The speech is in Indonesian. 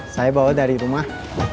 saya bawa dari rumah